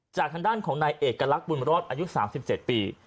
ทางด้านของนายเอกลักษณ์บุญรอดอายุ๓๗ปี